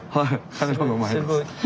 彼の方がうまいです。